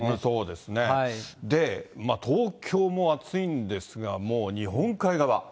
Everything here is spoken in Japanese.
で、東京も暑いんですが、もう日本海側。